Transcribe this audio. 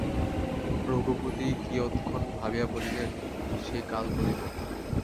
রঘুপতি কিয়ৎক্ষণ ভাবিয়া বলিলেন, সে কাল বলিব।